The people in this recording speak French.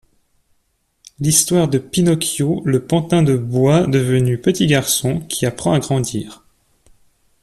L'histoire de Pinocchio, le pantin de bois devenu petit garçon qui apprend à grandir.